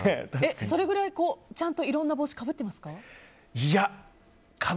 ちゃんといろんな帽子かぶってますか？